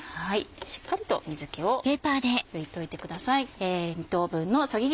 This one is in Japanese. しっかりと水気を拭いといてください。